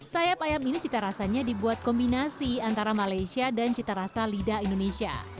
sayap ayam ini citarasanya dibuat kombinasi antara malaysia dan citarasa lidah indonesia